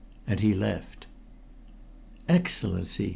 And he left. "Excellency!"